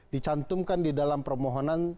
dicantumkan di dalam permohonan